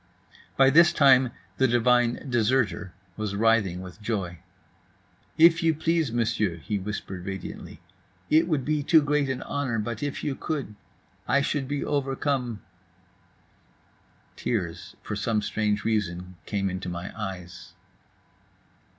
By this time the divine "deserter" was writhing with joy. "If you please, Monsieur," he whispered radiantly, "it would be too great an honor, but if you could—I should be overcome…." Tears (for some strange reason) came into my eyes.